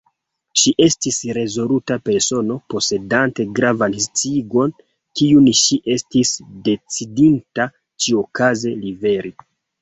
Ŝi estis rezoluta persono, posedante gravan sciigon, kiun ŝi estis decidinta ĉiuokaze liveri.